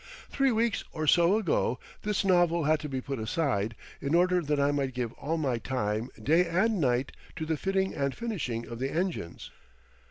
Three weeks or so ago this novel had to be put aside in order that I might give all my time day and night to the fitting and finishing of the engines.